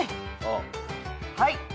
はい。